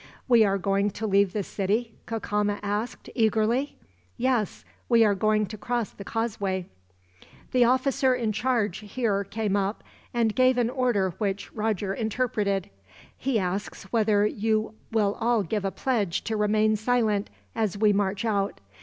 "We are going to leave the city?" Cacama asked, eagerly. "Yes, we are going to cross the causeway." The officer in charge here came up, and gave an order which Roger interpreted: "He asks whether you will all give a pledge to remain silent, as we march out.